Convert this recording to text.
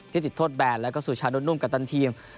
ที่ติดโทษแบรนด์แล้วก็สุชาตินุ่มกับทั้งทีม